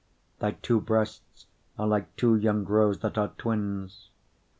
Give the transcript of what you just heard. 7:3 Thy two breasts are like two young roes that are twins.